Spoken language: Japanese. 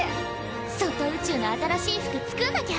外宇宙の新しい服作んなきゃ！